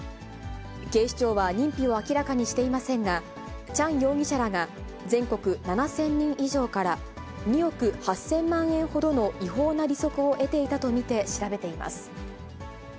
警視庁は認否を明らかにしていませんが、チャン容疑者らが全国７０００人以上から、２億８０００万円ほどの違法な利息を得ていたと見て調べています。